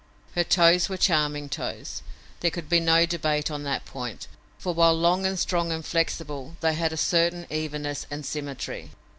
Her toes were charming toes. There could be no debate on that point, for, while long and strong and flexible, they had a certain evenness and symmetry.